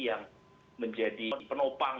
yang menjadi penopang